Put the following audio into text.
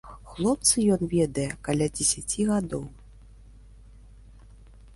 Хлопца ён ведае каля дзесяці гадоў.